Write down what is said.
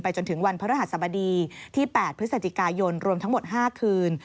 จนถึงวันพระรหัสบดีที่๘พฤศจิกายนรวมทั้งหมด๕คืน